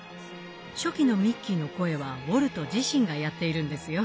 初期のミッキーの声はウォルト自身がやっているんですよ。